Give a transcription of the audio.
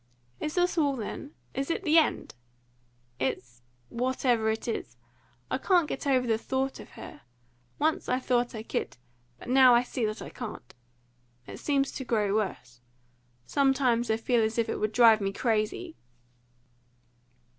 "Is this all, then? Is it the end?" "It's whatever it is. I can't get over the thought of her. Once I thought I could, but now I see that I can't. It seems to grow worse. Sometimes I feel as if it would drive me crazy."